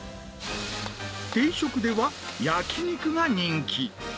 定食では焼き肉が人気。